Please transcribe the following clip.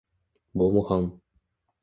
Bu muhim.